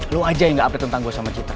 lu aja yang gak update tentang gue sama citra